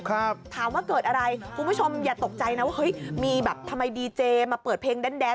ถามว่าเกิดอะไรคุณผู้ชมอย่าตกใจนะว่าเฮ้ยมีแบบทำไมดีเจมาเปิดเพลงแดน